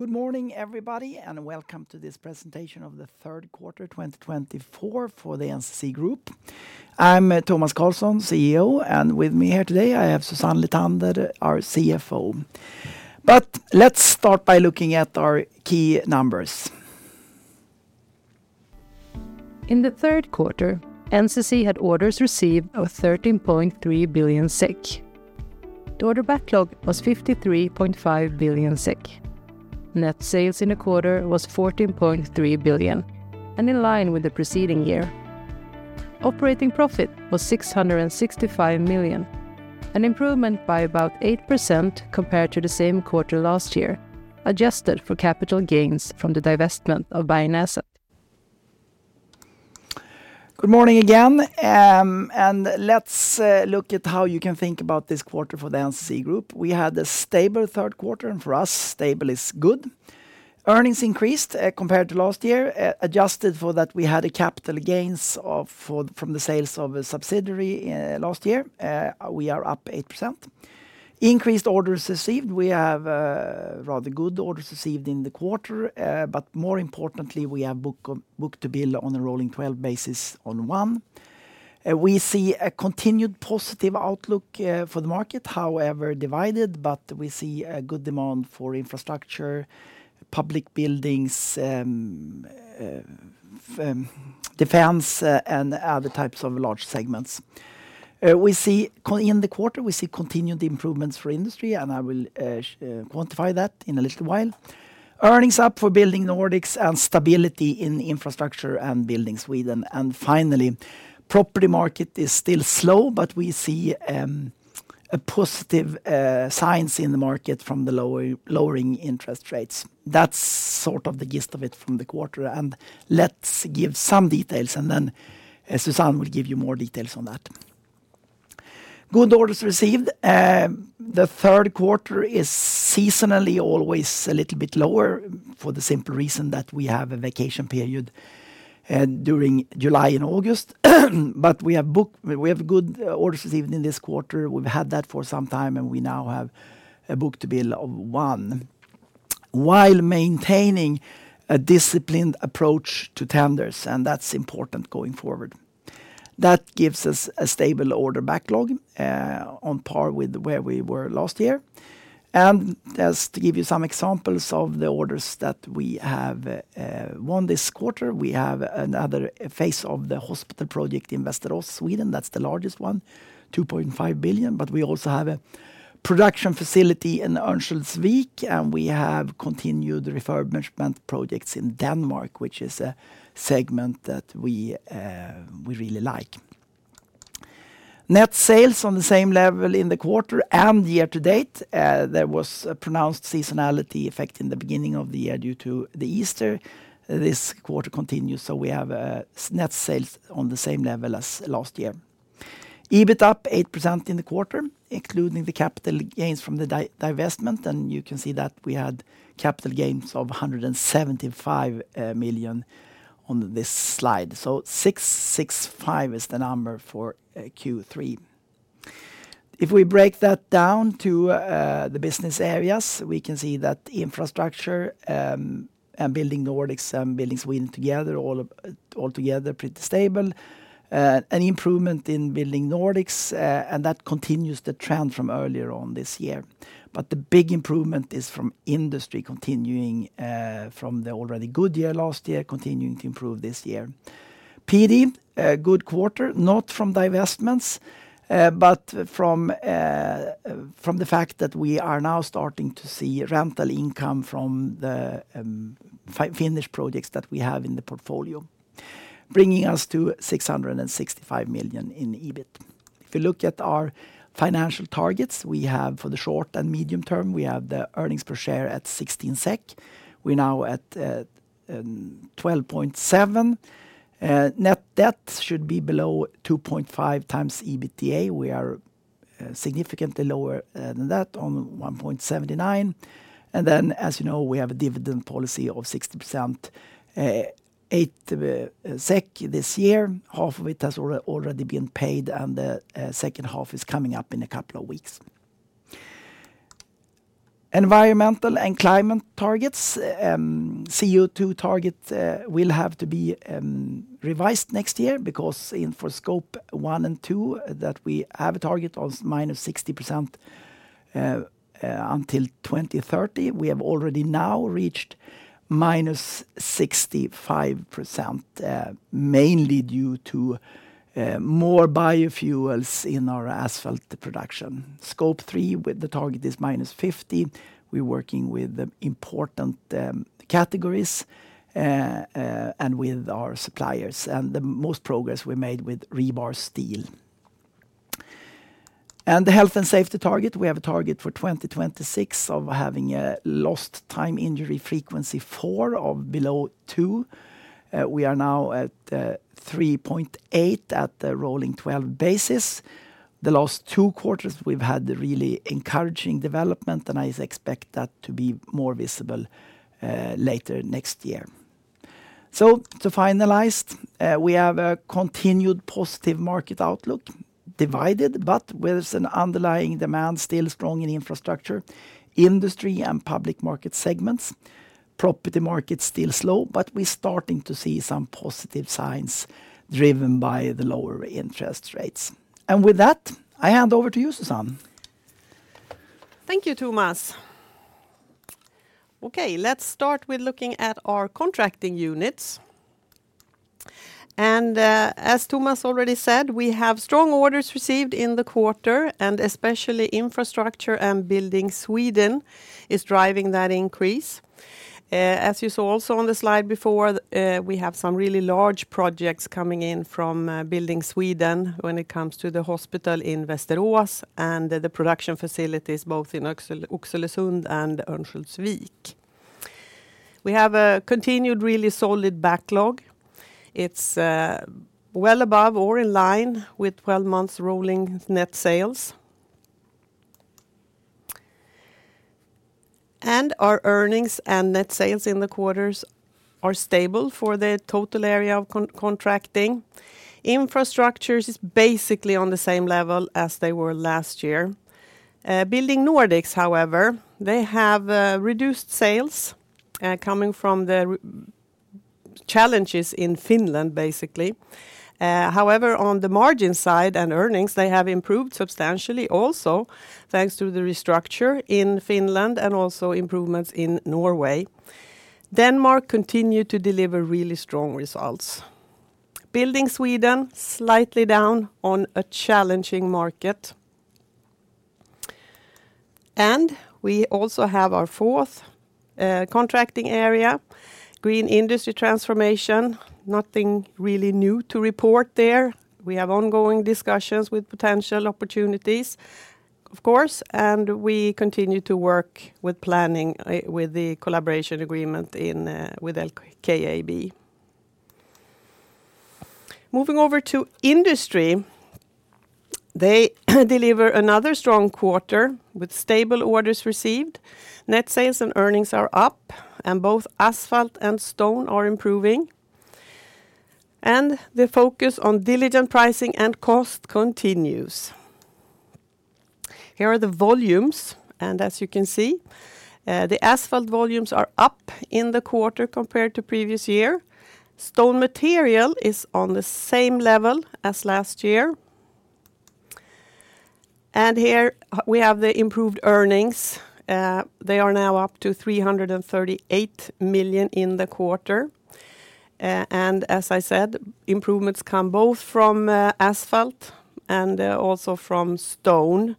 Good morning, everybody, and welcome to this presentation of the third quarter, 2024 for the NCC Group. I'm Tomas Carlsson, CEO, and with me here today, I have Susanne Lithander, our CFO. But let's start by looking at our key numbers. In the third quarter, NCC had orders received of 13.3 billion SEK. The order backlog was 53.5 billion SEK. Net sales in the quarter was 14.3 billion, and in line with the preceding year. Operating profit was 665 million, an improvement by about 8% compared to the same quarter last year, adjusted for capital gains from the divestment of Bernasek. Good morning again, and let's look at how you can think about this quarter for the NCC Group. We had a stable third quarter, and for us, stable is good. Earnings increased compared to last year, adjusted for that, we had capital gains from the sales of a subsidiary last year. We are up 8%. Increased orders received. We have rather good orders received in the quarter, but more importantly, we have book-to-bill on a rolling twelve basis on one. We see a continued positive outlook for the market, however, divided, but we see a good demand for infrastructure, public buildings, defense, and other types of large segments. We see-- In the quarter, we see continued improvements for industry, and I will quantify that in a little while. Earnings up for Building Nordics, and stability in Infrastructure and Building Sweden. And finally, property market is still slow, but we see a positive signs in the market from the lower, lowering interest rates. That's sort of the gist of it from the quarter, and let's give some details, and then, as Susanne will give you more details on that. Good orders received. The third quarter is seasonally always a little bit lower, for the simple reason that we have a vacation period during July and August. But we have good orders received in this quarter. We've had that for some time, and we now have a book-to-bill of one, while maintaining a disciplined approach to tenders, and that's important going forward. That gives us a stable order backlog on par with where we were last year. Just to give you some examples of the orders that we have won this quarter, we have another phase of the hospital project in Vasteras, Sweden. That's the largest one, 2.5 billion, but we also have a production facility in Örnsköldsvik, and we have continued refurbishment projects in Denmark, which is a segment that we really like. Net sales on the same level in the quarter and year to date. There was a pronounced seasonality effect in the beginning of the year due to Easter. This quarter continues, so we have net sales on the same level as last year. EBIT up 8% in the quarter, including the capital gains from the divestment, and you can see that we had capital gains of 175 million on this slide. 665 is the number for Q3. If we break that down to the business areas, we can see that Infrastructure, and Building Nordics, and Building Sweden, all together, pretty stable. An improvement in Building Nordics, and that continues the trend from earlier on this year. But the big improvement is from Industry continuing from the already good year last year, continuing to improve this year. PD, a good quarter, not from divestments, but from the fact that we are now starting to see rental income from the finished projects that we have in the portfolio, bringing us to 665 million SEK in EBIT. If you look at our financial targets, we have for the short and medium term, we have the earnings per share at 16 SEK. We're now at 12.7. Net debt should be below 2.5 times EBITDA. We are significantly lower than that, on 1.79. And then, as you know, we have a dividend policy of 60%, 8 SEK this year. Half of it has already been paid, and the second half is coming up in a couple of weeks. Environmental and climate targets. CO2 target will have to be revised next year because for Scope 1 and 2, that we have a target of -60% until 2030. We have already now reached -65%, mainly due to more biofuels in our asphalt production. Scope 3, with the target, is -50%. We're working with the important categories and with our suppliers, and the most progress we made with rebar steel. The health and safety target, we have a target for 2026 of having Lost Time Injury Frequency of below 2. We are now at 3.8 at the rolling twelve basis. The last two quarters, we've had the really encouraging development, and I expect that to be more visible later next year. To finalize, we have a continued positive market outlook, divided, but with an underlying demand still strong in Infrastructure, Industry, and public market segments. Property market still slow, but we're starting to see some positive signs driven by the lower interest rates. With that, I hand over to you, Susanne. Thank you, Tomas. Okay, let's start with looking at our contracting units. As Tomas already said, we have strong orders received in the quarter, and especially Infrastructure and Building Sweden is driving that increase. As you saw also on the slide before, we have some really large projects coming in from Building Sweden when it comes to the hospital in Vasteras and the production facilities, both in Oxelösund and Örnsköldsvik. We have a continued, really solid backlog. It's well above or in line with 12 months rolling net sales. Our earnings and net sales in the quarters are stable for the total area of contracting. Infrastructure is basically on the same level as they were last year. Building Nordics, however, they have reduced sales coming from the challenges in Finland, basically. However, on the margin side and earnings, they have improved substantially also, thanks to the restructuring in Finland and also improvements in Norway. Denmark continued to deliver really strong results. Building Sweden, slightly down on a challenging market, and we also have our fourth contracting area, Green Industry Transformation. Nothing really new to report there. We have ongoing discussions with potential opportunities, of course, and we continue to work with planning, with the collaboration agreement in, with LKAB. Moving over to Industry, they deliver another strong quarter with stable orders received. Net sales and earnings are up, and both asphalt and stone are improving, and the focus on diligent pricing and cost continues. Here are the volumes, and as you can see, the asphalt volumes are up in the quarter compared to previous year. Stone material is on the same level as last year. Here, we have the improved earnings. They are now up to 338 million in the quarter. As I said, improvements come both from asphalt and also from stone,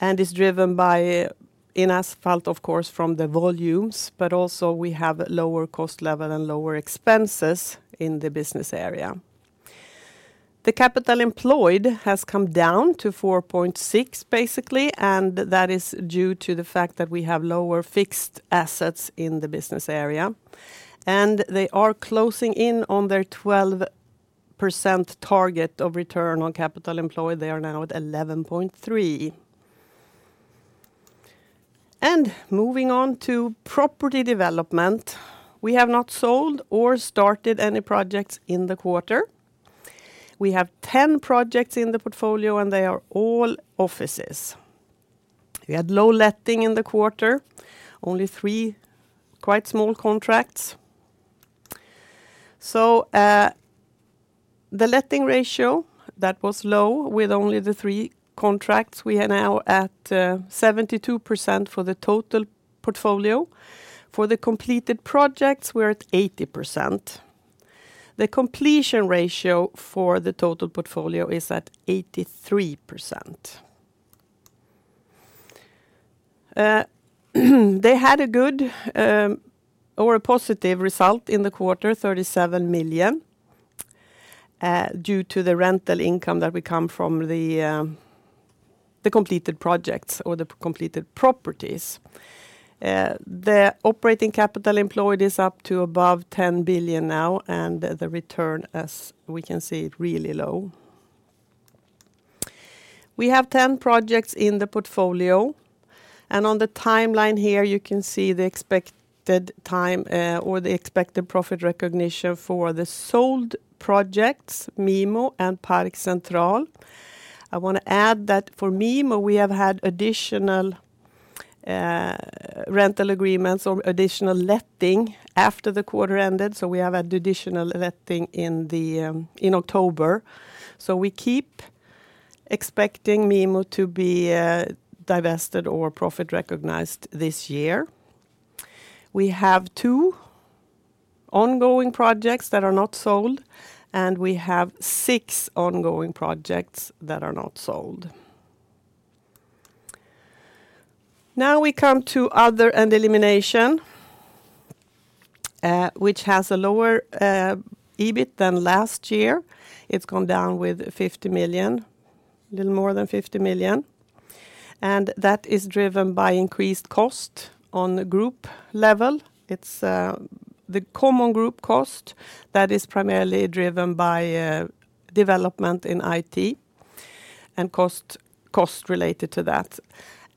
and is driven by, in asphalt, of course, from the volumes, but also we have lower cost level and lower expenses in the business area. The capital employed has come down to 4.6, basically, and that is due to the fact that we have lower fixed assets in the business area. They are closing in on their 12% target of return on capital employed. They are now at 11.3. Moving on to property development, we have not sold or started any projects in the quarter. We have 10 projects in the portfolio, and they are all offices. We had low letting in the quarter, only three quite small contracts. The letting ratio that was low with only the three contracts. We are now at 72% for the total portfolio. For the completed projects, we're at 80%. The completion ratio for the total portfolio is at 83%. They had a good, or a positive result in the quarter, 37 million, due to the rental income that will come from the completed projects or the completed properties. The operating capital employed is up to above 10 billion now, and the return, as we can see, really low. We have 10 projects in the portfolio, and on the timeline here, you can see the expected time, or the expected profit recognition for the sold projects, Mimo and Park Central. I want to add that for Mimo, we have had additional rental agreements or additional letting after the quarter ended, so we have had additional letting in the in October. So, we keep expecting Mimo to be divested or profit recognized this year. We have two ongoing projects that are not sold, and we have six ongoing projects that are not sold. Now, we come to other and elimination, which has a lower EBIT than last year. It's gone down with 50 million, a little more than 50 million, and that is driven by increased cost on the group level. It's the common group cost that is primarily driven by development in IT and costs related to that.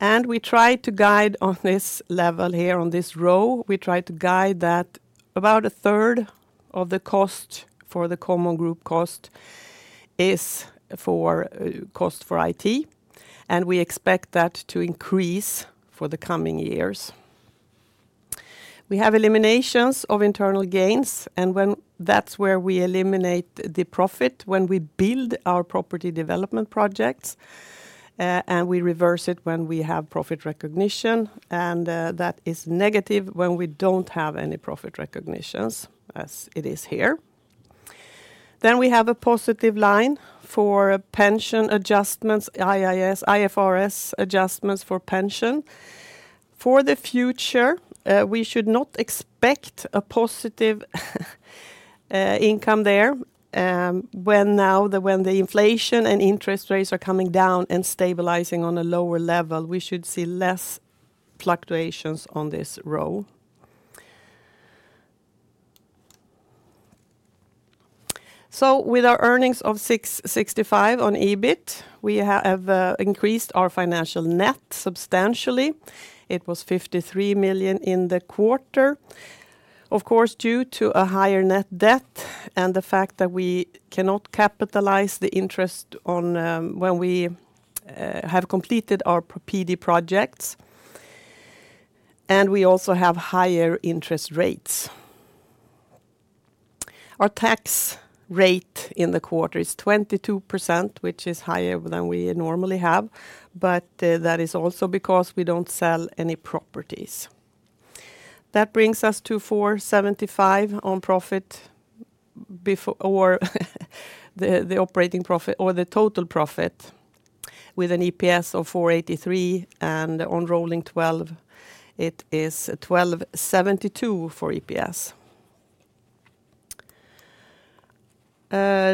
We try to guide on this level here, on this row. We try to guide that about a third of the cost for the common group cost is for cost for IT, and we expect that to increase for the coming years. We have eliminations of internal gains, and that's where we eliminate the profit, when we build our property development projects, and we reverse it when we have profit recognition, and that is negative when we don't have any profit recognitions, as it is here. We have a positive line for pension adjustments, IAS-IFRS adjustments for pension. For the future, we should not expect a positive income there, when the inflation and interest rates are coming down and stabilizing on a lower level. We should see less fluctuations on this row. With our earnings of 665 on EBIT, we have increased our financial net substantially. It was 53 million in the quarter. Of course, due to a higher net debt and the fact that we cannot capitalize the interest on when we have completed our PD projects, and we also have higher interest rates. Our tax rate in the quarter is 22%, which is higher than we normally have, but that is also because we don't sell any properties. That brings us to 475 on profit before or the operating profit or the total profit with an EPS of 4.83, and on rolling twelve, it is 12.72 for EPS.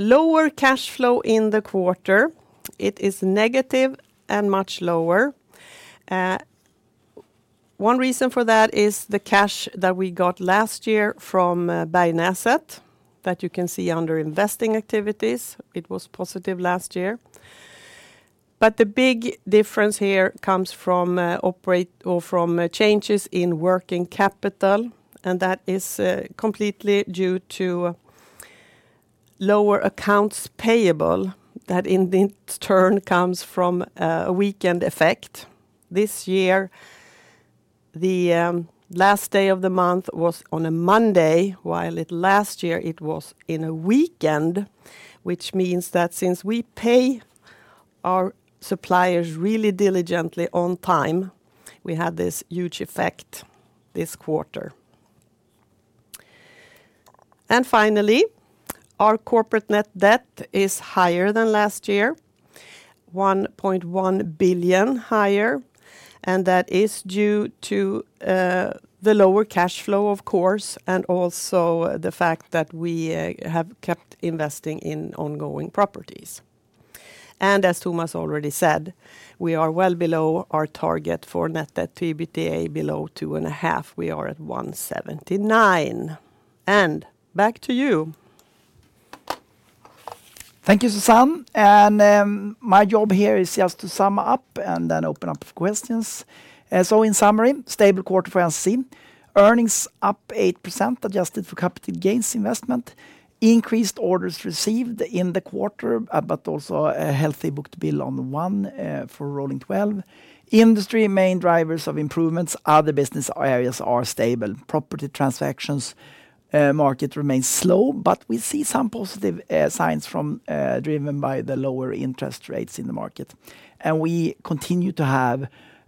Lower cash flow in the quarter, it is negative and much lower. One reason for that is the cash that we got last year from buying asset, that you can see under investing activities. It was positive last year. But the big difference here comes from changes in working capital, and that is completely due to lower accounts payable. That in turn comes from a weekend effect. This year, the last day of the month was on a Monday, while at last year it was in a weekend, which means that since we pay our suppliers really diligently on time, we had this huge effect this quarter, and finally, our corporate net debt is higher than last year, 1.1 billion higher, and that is due to the lower cash flow, of course, and also the fact that we have kept investing in ongoing properties. And as Tomas already said, we are well below our target for net debt, EBITDA, below 2.5. We are at 1.79. And back to you. Thank you, Susanne. And my job here is just to sum up and then open up for questions. So in summary, stable quarter for NCC. Earnings up 8%, adjusted for capital gains investment. Increased orders received in the quarter, but also a healthy book-to-bill on the one for rolling twelve. Industry main drivers of improvements, other business areas are stable. Property transactions, market remains slow, but we see some positive signs, driven by the lower interest rates in the market. And we continue to have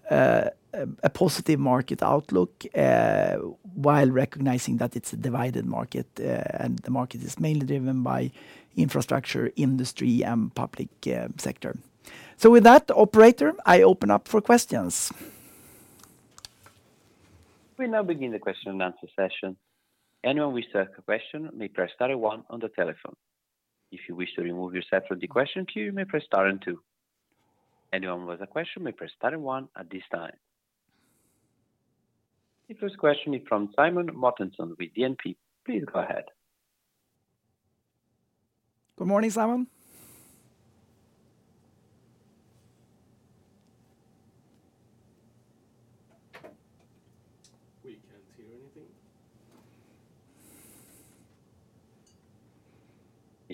a positive market outlook while recognizing that it's a divided market, and the market is mainly driven by infrastructure, industry, and public sector. So, with that, operator, I open up for questions. We now begin the question-and-answer session. Anyone with a question may press star one on the telephone. If you wish to remove yourself from the question queue, you may press star and two. Anyone with a question may press star and one at this time. The first question is from Simon Mortensen with DNB. Please go ahead. Good morning, Simon.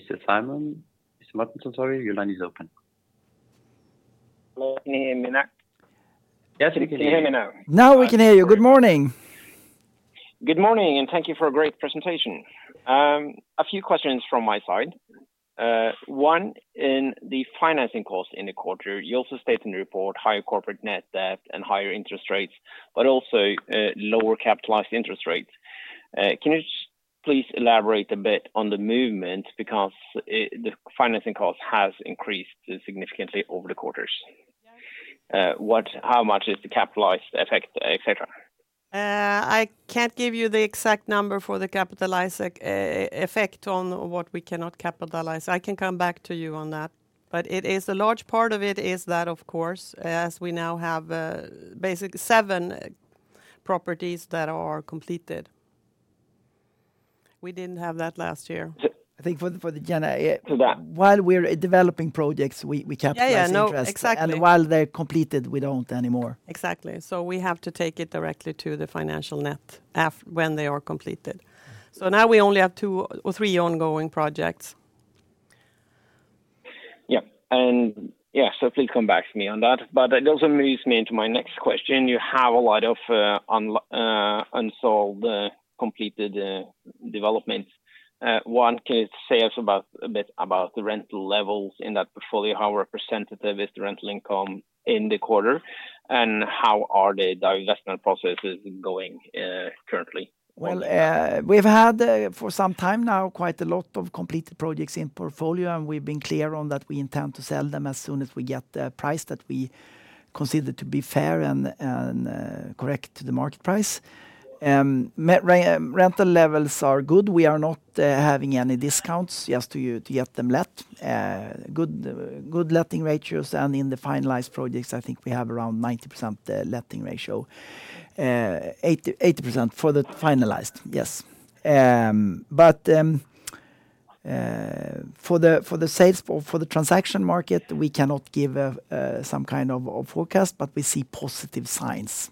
We can't hear anything. Mr. Simon? Mr. Mattsson, sorry, your line is open. Can you hear me now? Yes, we can hear you. Can you hear me now? Now we can hear you. Good morning! Good morning, and thank you for a great presentation. A few questions from my side. One, in the financing cost in the quarter, you also state in the report higher corporate net debt and higher interest rates, but also, lower capitalized interest rates. Can you just please elaborate a bit on the movement? Because the financing cost has increased significantly over the quarters. How much is the capitalized effect, et cetera? I can't give you the exact number for the capitalized EBIT effect on what we cannot capitalize. I can come back to you on that, but it is a large part of it that, of course, as we now have basically seven properties that are completed. ... We didn't have that last year. I think for the Jenna. For that. While we're developing projects, we capitalize interest. Yeah, yeah. No, exactly. While they're completed, we don't anymore. Exactly. So we have to take it directly to the financial net when they are completed. So now we only have two or three ongoing projects. Yeah. And, yeah, so please come back to me on that. But that also moves me into my next question. You have a lot of unsold completed developments. Can you tell us a bit about the rental levels in that portfolio? How representative is the rental income in the quarter, and how are the divestment processes going currently? We've had, for some time now, quite a lot of completed projects in portfolio, and we've been clear on that we intend to sell them as soon as we get the price that we consider to be fair and correct to the market price. Rental levels are good. We are not having any discounts just to get them let. Good letting ratios, and in the finalized projects, I think we have around 90% letting ratio. Eighty percent for the finalized, yes, for the sales, for the transaction market, we cannot give some kind of a forecast, but we see positive signs.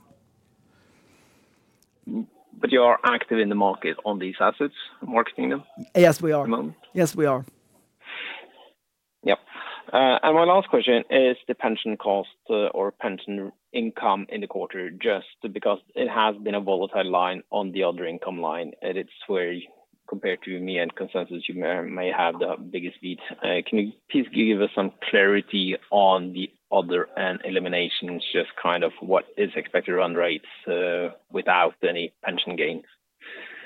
Mm-hmm. But you are active in the market on these assets, marketing them? Yes, we are. At the moment? Yes, we are. Yep. And my last question is the pension cost, or pension income in the quarter, just because it has been a volatile line on the other income line, and it's where, compared to me and consensus, you may have the biggest beat. Can you please give us some clarity on the other, and eliminations, just kind of what is expected run rates, without any pension gains?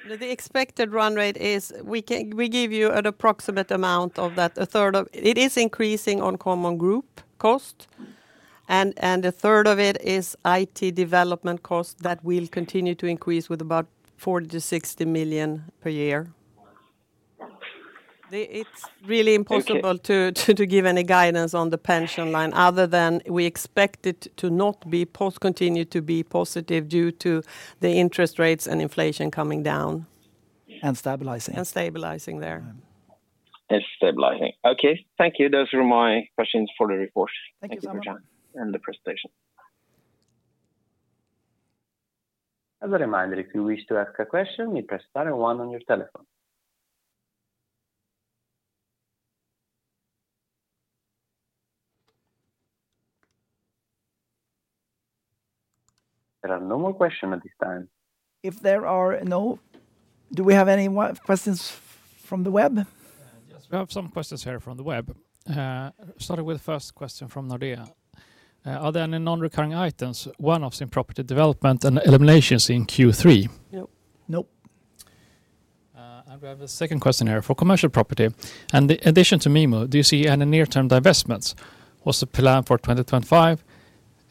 The expected run rate is. We give you an approximate amount of that. A third of... It is increasing on common group cost, and a third of it is IT development cost that will continue to increase with about 40-60 million per year. Thank you. It's really impossible to give any guidance on the pension line, other than we expect it to continue to be positive due to the interest rates and inflation coming down. And stabilizing. Stabilizing there. And stabilizing. Okay, thank you. Those were my questions for the report. Thank you so much. Thanks for your time and the presentation. As a reminder, if you wish to ask a question, you press star and one on your telephone. There are no more questions at this time. If there are no... Do we have any more questions from the web? Yes, we have some questions here from the web. Starting with the first question from Nordea. Are there any non-recurring items, one-offs in property development and eliminations in Q3? Nope. Nope. And we have a second question here. For commercial property, and in addition to Mimo, do you see any near-term divestments? What's the plan for twenty twenty-five,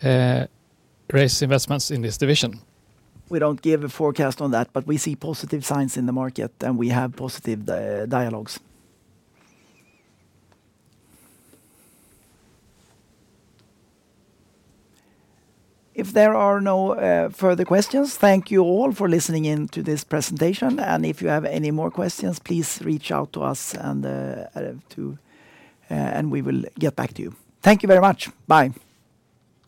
real estate investments in this division? We don't give a forecast on that, but we see positive signs in the market, and we have positive dialogues. If there are no further questions, thank you all for listening in to this presentation. If you have any more questions, please reach out to us, and we will get back to you. Thank you very much. Bye.